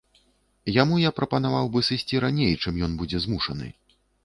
Яму я прапанаваў бы сысці раней, чым ён будзе змушаны.